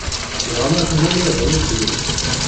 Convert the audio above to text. Tebɣam ad ken-awiɣ ɣer usegnaf?